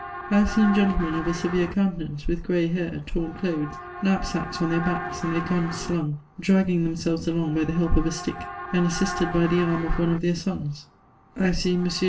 I have seen gentlemen of a severe conn t^oance, with gray hair, torn dothes, knapsacks on their backs^ and their guns slung, dragging themselves along by the bdp of a stick, and assist^ by tiie arm ci one of their sons ; I have seen M.